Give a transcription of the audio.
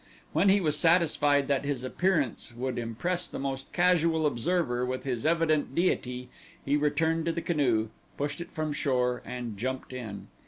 When he was satisfied that his appearance would impress the most casual observer with his evident deity he returned to the canoe, pushed it from shore and jumped in.